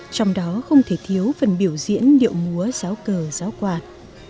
trong đó không thể thiếu phần biểu diễn điệu múa giáo cờ giáo quạt